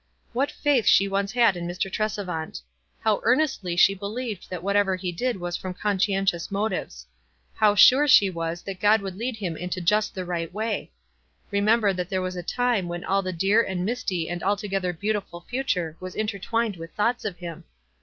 What faith she once had in Mr. Tresevant ! How earnestly she believed that whatever he did was from conscientious motives. How sure she was that God wouj^i lead him into just the right way. Remember that there was a time when all the dear and misty and altogether beautiful future was intertwined with thoughts of him.